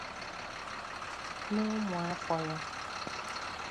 na ụmụafọ ya